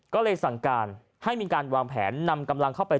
ก็เลยสั่งการให้มีการวางแผนนำกำลังเข้าไป